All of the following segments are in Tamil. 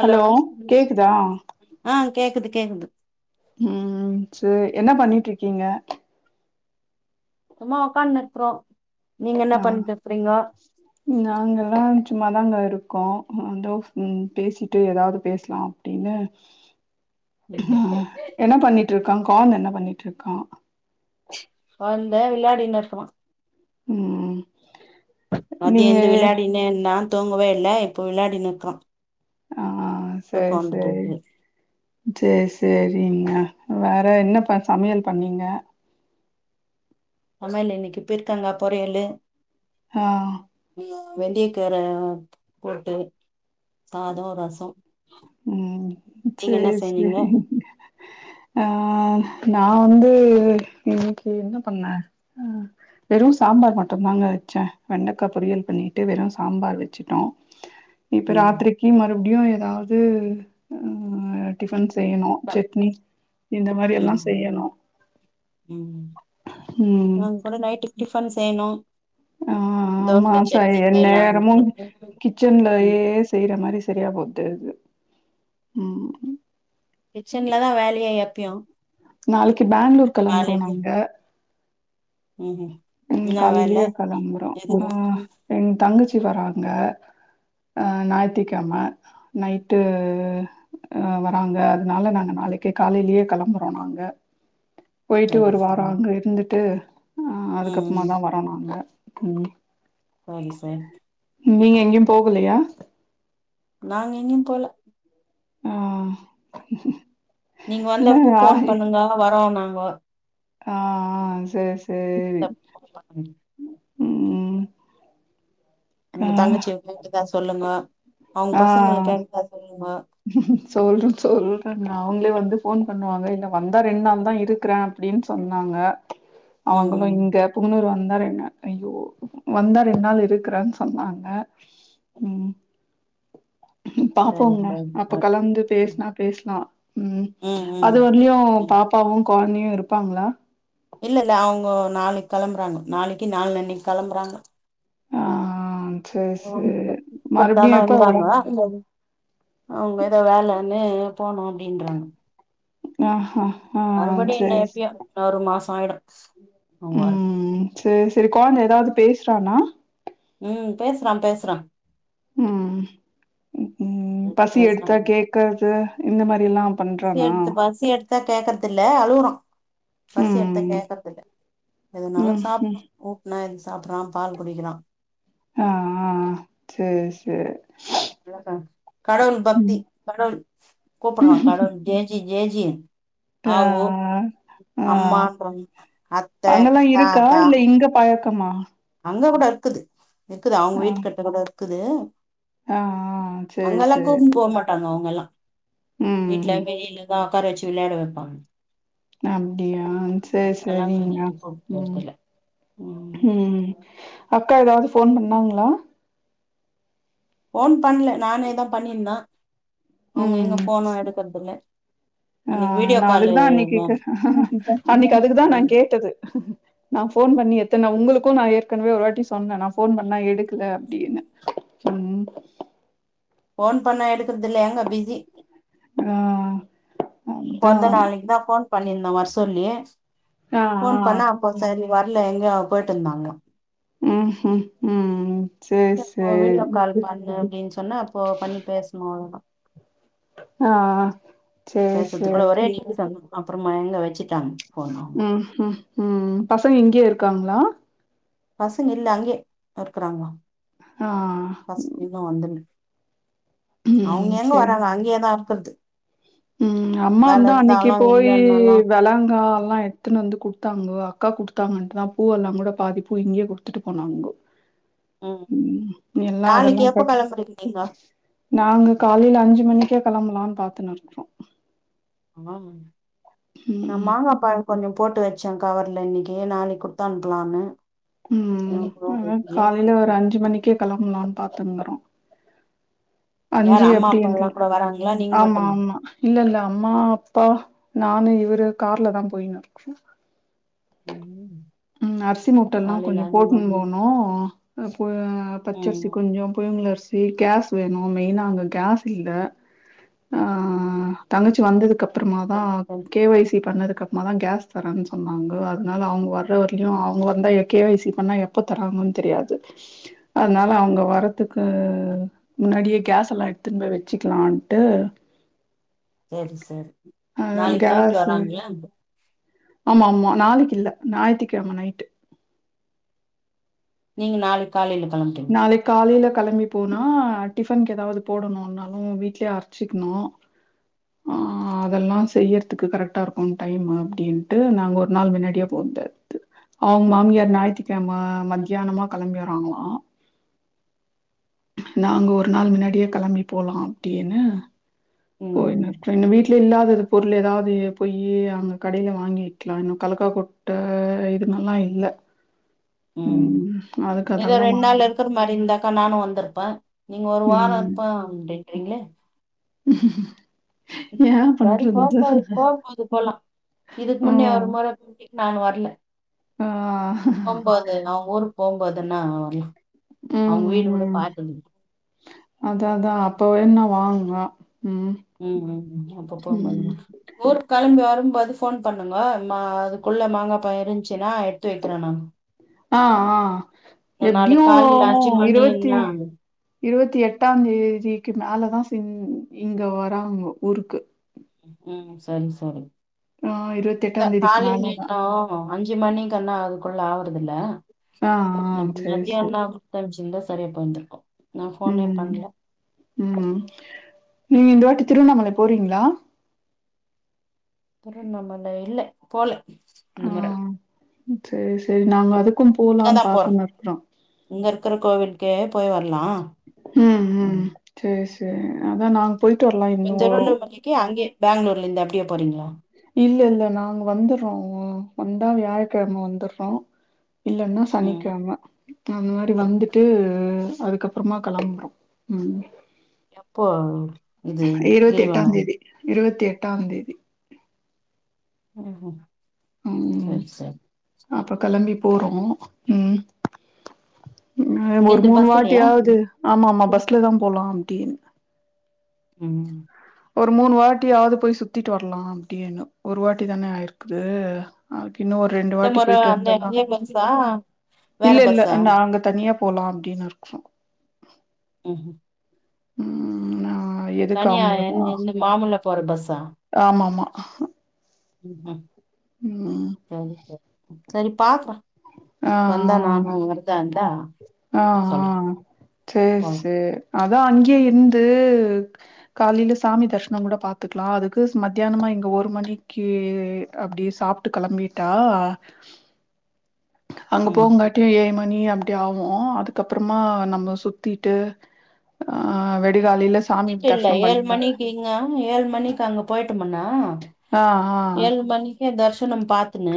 ஹலோ கேக்குதா ஆ கேக்குது கேக்குது ம் சே என்ன பண்ணிட்ருக்கீங்க சும்மா உக்கான்ருக்குறோ நீங்க என்ன பண்ட்டு இருக்குறீங்க நாங்கெல்லா சும்மாதாங்க இருக்கோ [unintelligible] பேசிட்டு ஏதாவது பேசலா அப்டின்னு ஆ என்ன பண்ணிட்ருக்கா கான் என்ன பண்ணிட்ருக்கா கான் இந்தா விளையாடின் இருக்குறா ம் மதியோ நீங்க இந்து விளையாடினே இருந்தா தூங்கவே இல்ல இப்ப விளையாடினு இருக்றா ஆ சரி சரி இருக்குது சேரி சேரிங்க வேற என்ன பா சமையல் பண்ணீங்க சமையல் இன்னைக்கு பீர்கங்கா பொறீயல்லு ஆ வெந்திய கீர போட்டு சாதோ ரசோ ம் நீங்க என்ன சேரி செஞ்சீங்க சேரிங்க ஆ நா வந்து இன்னைக்கி என்ன பண்ண அ வெறு சாம்பார் மட்டுந்தாங்க வச்ச வெண்டக்கா பொரியல் பண்ணிட்டு வெறு சாம்பார் வச்ச ட்டோ இப்ப ம் ராத்திரிக்கி மறுபடியு ஏதாவது ம் டிஃபன் செய்யணு செட்னி இந்த மாரி எல்லா ம் செய்யணு ம் ம் மொத நைட்டுக்கு டிஃபன் செய்ணு ஆ ஆமா ச செய்யலான்னு என்னேரமு இருக்கோ ம் கிச்சன்லயே செய்ற மாரி சரியா போது அது ம் கிச்சன்ல தா வேலயே எப்யு நாளைக்கு பங்ளூர் கெளம்புறோ நாங்க ம்ம் ம் காலையிலயே கிலம்புரோ ஆ எங்க தங்கச்சி வராங்க அ ஞாயத்திக்கிழம நைட்டு அ வராங்க அதனால நாங்க நாளைக்கே காலையிலயே கிளம்புறோ நாங்க போயிட்டு ஒரு வாரம் சரி அங்க இருந்துட்டு அ அதுக்கப்புறமா ம் தா வாரனாங்க சேரி சேரி நீங்க எங்கேயு போகலையா நாங்க எங்கையு போல ஆ நீங்க இல்ல வந்தப்போ ஆ போன் பண்ணுங்க வரோம் நாங்க ஆ சேரி சேரி ம்.. ம் ஆ உங்க தங்கச்சிய கேட்டதா சொல்லுங்க அவங்க பசங்கள கேட்டதா சொல்லுங்க. சொல்றேன் சொல்றேன் அவங்களே வந்து போன் பண்ணுவாங்க இல்ல வந்தா ரெண்டு நாள் தா இருக்கறே அப்டின்னு சொன்னாங்க அவங்களு ம் இங்க இன்னொரு வந்தா ரெ ஐயோ வந்தா ரெண்டு நாள் இருக்கறேன்னு சொன்னாங்க ம் சரி பாப்போங்க சரி அப்ப கலந்து ஓகே. பேசனா பேசலா ம் ம் அது ம் வரயு ம் பாப்பாவும் கார்னியு இருப்பாங்களா இல்ல இல்ல அவங்க நாளைக்கு கிளம்புறாங்க நாளைக்கு நாலு அன்னைக்கு கிளம்புறாங்க ஆ சேரி சேரி [unintelligible] த்தான் மறுபடியு எப்ப இருந்தாங்க வராங்க அவங்க ஏதோ வேலைன்னு போனோ அப்டின்றங்க ஆ ஆ ஆ சேரி சார் ஆறு மாசம் ஆயிடு அவங்கரு ம் சேரி சேரி கொழந்த ஏதாவது பேசுறான்னா ம் பேசுறா பேசுறா ம் ம் பசி எடுத்தா பேசுறான் கேக்றது இந்த மாதிரில்லா பசி எடுத்து பசி எடுத்தா கேக்கறது இல் அழுவுற பசி எடுத்தா ம் கேக்கறது இல்ல எதனாலு ம் சாப் ம் ஊட்னா எதுக்கு சாப்றான் பால் குடிக்கிறா ஆ ஆ சேரி சேரி அழகா கடவுள் பக்தி ம் கடவுள் கூப்புறா கடவுள் ஜேஜி ஜேஜி ஆ அவு அம்மா ஆ அத்த அங்கல்லா இருக்கா தாத்தா இல்ல இங்க பழக் கமா அங்க கூட இருக்குது இருக்குது அவங்க ஆ வீட்டு கட்ட கூட இருக்குது ஆ ஆ சேரி அங்கெல்லாம் சேரி கூப்னு போக மாட்டோ ப அவங்க எல்லா வீட்டுல ம் வெளியிலதா உக்கார வச்சு விளையாட வைப்பாங்க அப்டியா சேரி அதெல்லாம் சரிங்மா வெளியில கூப்ட்டு ம் போறதில்ல ம் அக்கா ஏதாவது போன் பண்ணாங்களா போன் பண்ணல நானு ஏன் பண்ணியிருந்தே அவங்க எங்க ம் போனு எடுக்கறதில்ல ஆ அன்னைக்கு வீடியோ நா காலு அதுக்குதா அன்னைக்கு ம் அன்னைக்கு அதுக்குதா நா கேட்டது நா போன் பண்ணி எத்தனை உங்களுக்கு நா ஏற்கனவே ஒருராட்டி சொன்னே நா போன் பண்ணா எடுக்கல அப்டின்னு ம் போன் பண்ணா எடுக்கறது இல்ல எங்க பிஸி ஆ அதா பொறந்த நாளைக்குதா போன் பண்ணிருந்தா வர சொல்லி ஆ ஃபோன் ஆ பண்ணா அப்போ சரி வரல எங்கயோ போயிட்டு இருந்தாங்களா ம் ம் ம் சேரி செரி இப்போ சேரி வீடியோ கால் பண்ணு அப்டின்னு சொன்னா அப்போ பண்ணி பேசணு அவ்ளோதா ஆ சேரி பேசுறதுக்கு கூட சேரி ஒரே நீர் சத்தோ அப்பறமா எங்க வச்சிட்டாங்க ம் ம் ம் பசங்க இங்கயே இருக்காங்களா பசங்க இல்ல அங்கயே இருக்குறாங்களா ஆ ம் இன்னு வந்துல்ல அவுங்க ம் எங்க சரி. வர்றாங்க அங்கயேதா இருக்கறது ம் அம்மா வேல இருந்தா அன்னக்கி இருந்தாலு போய் இல்லன்னாலு வெளாங்கா எல்லா எடுத்துன்னு வந்து குடுத்தாங்கோ அக்கா குடுத்தாங்கன்ட்டுதா பூ எல்லா கூட பாதி பூ இங்கயே குடுத்துட்டு போனாங்கோ ம் ம் எல்லா நாளைக்கு அதெல்லா எப்ப போட்டு கெளம்புறீங்க நீங்க நாங்க காலேல அஞ்சி மணிக்கே கெளம்பலான்னு பாத்துன்னு இருக்கோ ஆ நா ம் மாங்காப்பா கொஞ்சோ போட்டு வச்சே கவர்ல இன்னக்கி நாளைக்கி குடுத்தனுப்பலான்னு ம் அதா காலேலயே இருக்கு ஒரு அஞ்சி மணிக்கே கெளம்பலான்னு பாத்துன்னுருக்குறோ யாரு அஞ்சி அம்மா எப்டி அப்பால்லா என்று கூட வராங்களா நீங்க ஆமா மட்டுமா ஆமா இல்ல இல்ல அம்மா அப்பா நானு இவரு கார்ல தா போயின்னுருக்கோ ம் ம் அரிசி மூட்டல்லா கொஞ்சோ காலைல அஞ்சு போட்டுன்னு மணி போனு அத போ ம் பச்சரிசி கொஞ்சோ புழுங்கள் அரிசி கேஸ் வேணு மெயினா அங்க கேஸ் இல்ல ஆ தங்கச்சி வந்ததுக்கு அப் பறமாதா சரி சரி கே ஓய் சி பண்ணதுக்கப்பறமாதா கேஸ் தர்றேன்னு சொன்னாங்க அதனால அவுங்க வர் ற வரைக்கு அவுங்க வந்தா கே ஓய் சி பண்ணா எப்ப தர்றாங்கன்னு தெரியாது அதனால அவுங்க வர்றதுக்கு முன்னாடியே கேஸ் எல்லா எடுத்துன்னு போய் வச்சிக்கலான்ட்டு சேரி சேரி அ நாளைக்கி நைட் கேஸு வர்றாங்களா ஆமா ஆமா நாளைக்கி இல்ல ஞாயித்துக்கெழம நைட்டு் நீங்க நாளைக்கி காலேல கெளம்புறீங்க காலேல கெளம்பி போனா டிஃபனுக்கு ஏதாவது போடணுன்னாலு வீட்லயே அரைச்சிக்கணு ஆ அதெல்லா செய்யறதுக்கு கரெக்டா இருக்கு டைம் அப்டின்ட்டு நாங்க ஒரு நாள் முன்னாடியே போட்டாச்சி அவுங்க மாமியார் ஞாயித்துகெழம மத்தியானமா கெளம்பி வர்றாங்களா நாங்க ஒரு நாள் முன்னாடியே கெளம்பி போலா அப்டின்னு ம் போயின்னு இருக்குறோ இன்னு வீட் ல இல்லாதது பொருள் ஏதாவது பொய்யி அங்க கடேல வாங்கிக்கலா இன்னு கலக்கா கொட் ட இது நல்லா இல்ல ம் அதுக்கு அதெல்லா வாங்கனு துரு மாரி இருந்தாக்கா நானு வந்துருப்பே நீங்க ஒரு வாரோ ம் இருப்பே அப்டின்றீங்களே உஹ்ம் சரி போம் போது போகம் போது போலா இதுக்கு முன்னே ஒரு ம் முற கூட்டீங்க நானு வரல ஆ போம்போது அவங்க ஊருக்கு போம்போதுன்னா வரலா ம் அவங்க வீடு கூட ம் பாத்தது அதா அதா அப்போ வேணுன்னா வாங்க ம் ம் ம் ம் அப்ப போம் போது ம். பாக்கலா ஊருக்கு கெளம்பி வரும்போது ஃபோன் பண்ணுங்கோ நா அதுக்குள்ள மாங்காப்ப இருந்துச்சுன்னா எடுத்து வைக்கிறே நானு ஆ ஆ எப்டியு நாளைக்கு காலைல அஞ்சு இருவத்தி மணின்னா இருவத்தி எட்டா தேதிக்கு மேலதா இங்க வராங்கோ ஊருக்கு ம் சரி சரி ஆ இந்த தேதிக்கு காலேல மேல இன்னு தான். ஓ அஞ்சு மணிக்குண்ணா அதுக்குள்ள ஆகுறதுல [unintelligible] ஆ ஆ சரி சரி. [unintelligible] சரியாபோய்ந்திருக்கோ நா போனே பண்ணல லும் நீங்க இந்த வாட்டி திருவண்ணாமலை போறீங்களா திருவண்ணாமலை இல்ல போல இந்த முற ம் சேரி சேரி நாங்க அதுக்கும் இங்கதா போலான்னு போறோ பாத்துன்னு இருக்குறோ. இங்க இருக்கற கோவிலுக்கே போய் வரலா ம் ம் சேரி சேரி அதா நாங் இப்ப திருவண்ணாமலைக்கு அங்கே பெங்களூர்ல இருந்து அப்டியே போறீங்களா இல்ல இல்ல நாங்க வந்துறோ வந்தா வியாழக்கிழம வந்துடுறோ இல்லன்னா ம் சனிக்கிழம அந்த மாரி வந்துட்டு அதுக்கப்புறமா கிளம்புரோ ம் எப்போ இது கிரிவலோ இருவத்தி எட்டாம் தேதி ம் சேரி சேரி அப்போ கிளம்பி போறோ ம் ம் ஒரு இங்கருந்து மூணு பஸ்லயா வாட்டியாவது ஆமா ஆமா பஸ்ல தா போலாம் அப்டின் ம் ஒரு மூணு வாட்டியாவது போய் சுத்திட்டு வரலா அப்டின்னு ஒரு வாட்டி தான ஆயிருக்குது. அப்டின்னு ஒரு ரெண்டு இந்த வாட்டி முற போயிட்டு அந்த வந்தர்லா அதே பஸ்ஸா வேற இல்ல இல்ல பஸ்ஸா நா அங்க தனியா போலா அப்டின்னு இருக்கோ ம்ஹூ ம் நா எதுக்கு தனியா அவுங்களா என்ன இந்த மாமூலா போற பஸ்ஸா ஆமா ஆமா ம் ம் சரி சரி சரி பாக்றே ஆ இருந்தா ஆ சொல்றே சேர் போலா சேரி அதா அங்யே இருந்து காலையில சாமி தரிஷ்னம் கூட பாத்துக்கலா அதுக்கு மத்தியானமா இங்க ஒரு மணிக்கு அப்டி சாப் விட்டு கெளம்பிட்டா அங்க ஆமா போங்காட்டியு ஏழு மணி அப்டி ஆகு அதுக்கப்பறமா நம்ம சுத்திட்டு ஆ வெடிகாலையில சாமி தரிஷனம் பண்ணிண்டா ஏங்க ஏழு மணிக்கு அங்க போயிட்ட முண்ணா ஆ ஏழு ஆ மணி தர்சனம் பாத்துன்னு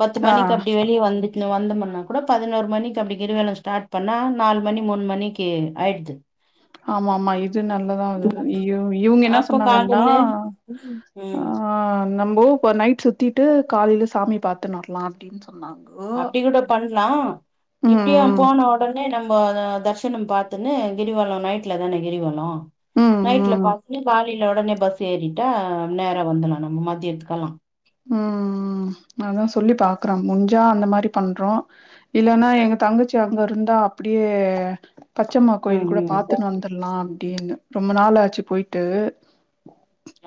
பத்து ஆ மணிக்கு அப்டி வெலி வந்துட்டு வந்தமுனா கூட பதினோரு மணிக்கு அப்டி கிரிலம் ஸ்டார்ட் பண்ணா நாலு மணி மூணு மணிக்கு ஆய்டுது ஆமா ஆமா இது இது நல்லா தா வருது ம் இவு இவுங்க என்ன அப்ப சொன்னாங்கன்னா காலைல ஆ ம் ஆ நம்பு இப்ப நைட் சுத்திட்டு காலையில சாமி பாத்துனு வரலா அப்டினு சொன்னாங்க அப்டி கூட பண்லா இப்டிய ம் போன ஒடனே நம்ம தர்சனம் பாத்துனே கிரிவலோ நைட்ல தானே கிரிவலோ ம் நைட்ல ம் ம் பாத்துட்டு காலைல ஒடனே பஸ் ஏறிட்டா நேர வந்துலா நம்ம மத்தியத்துக்கெல்லா ம் ம் அதா சொல்லி பாக்றோ முஞ்சா அந்த மாரி பண்றோ இல்லன்னா எங்க தங்கச்சி அங்க இருந்தா அப்டியே பச்சம்மா ம் கோயில் கூட ம் பாத்துன்னு வந்துரலா அப்டினு ரொம்ப நாளாச்சு போய்ட்டு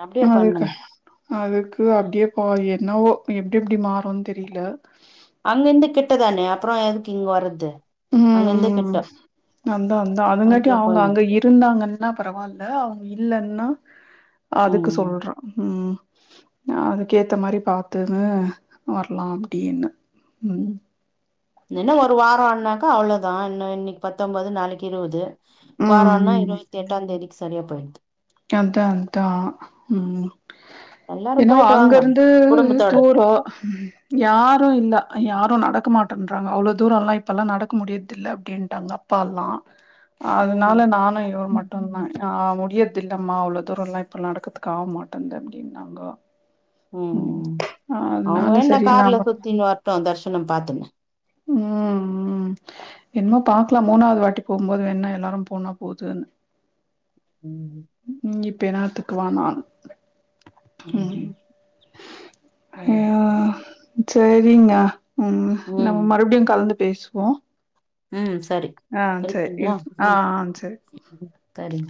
அப்டியே அதுக்கு பண்ணுங்க அதுக்கு அப்டியே ஒ என்னவோ எப்டி எப்டி மாறுன்னு தெரில அங்கேந்து கிட்டதானே அப்றோ எதுக்கு இங்க வர்றது அங்க ம் இருந்து கிட்ட ம் அந்தா அந்தா அதுங்காட்யு அப்டியே அவுங்க போயிடு அங்க இருந்தாங்கன் நா பரவால்ல அவுங்க இல்லன்னா அதுக்கு ம் சொல்ற ம் அதுக்கேத்த மாரி பாத்துனு வர்லா அப்டினு ம் என்ன ஒரு வாரோன்னாக்கா அவ்ளோதா இன்னோ இன்னக்கி பத்தொம்போது நாளக்கி இருவது ம் வாரோன்னா இருவத்தி எட்டாந்தேதிக்கு சரியா போய்ட்து எதா அதா ம் எல்லாரும் என்னவோ போயிட்டு வாங்க அங்கருந்து குடும்பத்தோட தூரோ யாரு இல்ல யாரு நடக்க மாட்டன்றாங்க அவ்ளோ தூரல்லா இப்பல்லா நடக்கு முடுயுற்து இல்ல அப்டின்ட்டாங்க அப்பால்லா ம் அதுனால ம் நானு இவ ம் மட்டுந்தா ஆ முடியர்து இல்லமா அவுளோ தூரல்லா இப்ப நடக்குது கா மாட்டந்து அப்டின்னாங்கோ ம் ம் அவுங்க அதனால வேன்னா சரி கார்ல நாம சுத்தின் வரட்டு தரிஷ்னோ பாத்துன்னு ம் ம் என்மோ பாக்கலா மூணாவது வாட்டி போகும்போது வேன்ன எல்லாரு போன்னா போதுனு ம் ம் ம் இப்ப என்னாத்துக்கு வானானு ம் ம் ம் ஹயோ சரி சேரிங்க ம் சரி நம்ம ம் மறுப்டியு கலந்து பேஸ்வோ ம் சரி கரெக்ட்டுங்ளா இருக்கு ஆ ம் ஆ சரி கரிம்